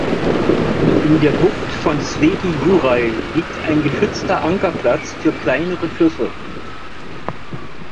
In der Bucht von Sveti Juraj liegt ein geschützter Ankerplatz für kleinere Schiffe.